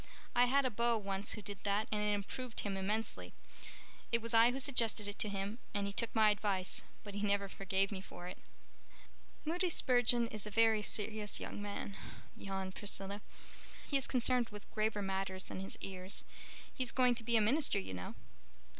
I had a beau once who did that and it improved him immensely. It was I who suggested it to him and he took my advice, but he never forgave me for it." "Moody Spurgeon is a very serious young man," yawned Priscilla. "He is concerned with graver matters than his ears. He is going to be a minister, you know."